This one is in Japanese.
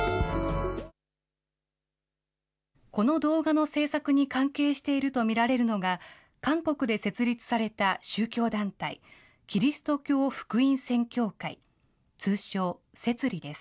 この動画の制作に関係していると見られるのが、韓国で設立された宗教団体、キリスト教福音宣教会、通称、摂理です。